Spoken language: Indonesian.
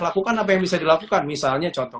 lakukan apa yang bisa dilakukan misalnya contoh